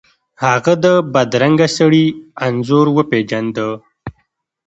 هغه د بدرنګه سړي انځور وپیژنده.